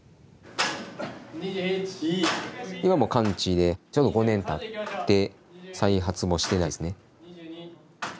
今もう完治でちょうど５年たって再発もしてないっすね。